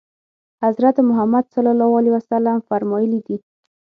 حضرت محمد صلی الله علیه وسلم فرمایلي دي.